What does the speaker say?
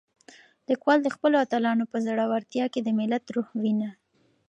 لیکوال د خپلو اتلانو په زړورتیا کې د ملت روح وینه.